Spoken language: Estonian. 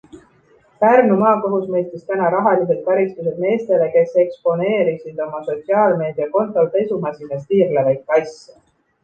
Pärnu maakohus mõistis täna rahalised karistused meestele, kes eksponeerisid oma sotsiaalmeedia kontol pesumasinas tiirlevaid kasse.